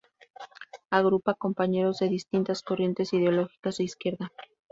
Agrupa compañeros de distintas corrientes ideológicas de izquierda.